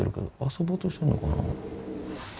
遊ぼうとしてんのかな？